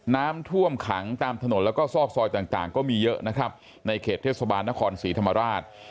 น้ำท่วมขังตามถนนแล้วก็ซอกซอยต่างต่างก็มีเยอะนะครับในเขตเทศบาลนครศรีธรรมราช